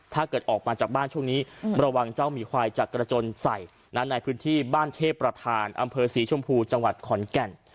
ถ้าเกิดออกมาจากบ้านช่วงนี้ระวังเจ้าหมีควายจะกระจนใส่ในพื้นที่บ้านเทพประธานอำเภอศรีชมพูจังหวัดขอนแก่น